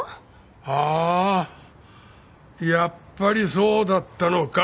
ああやっぱりそうだったのか。